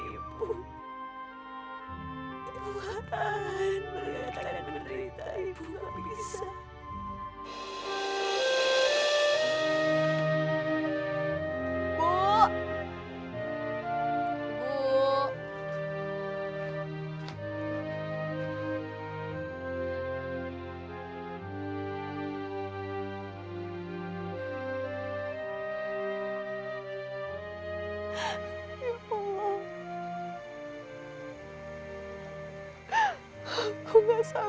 ibu pasti akan menguburkan kalian